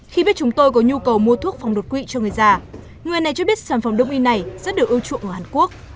khi biết chúng tôi có nhu cầu mua thuốc phòng đột quỵ cho người già người này cho biết sản phẩm đông y này rất được ưa chuộng ở hàn quốc